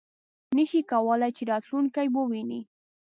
نه شي کولای چې راتلونکی وویني .